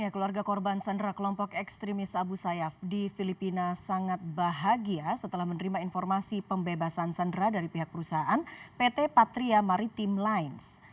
keluarga korban sandera kelompok ekstremis abu sayyaf di filipina sangat bahagia setelah menerima informasi pembebasan sandera dari pihak perusahaan pt patria maritim lines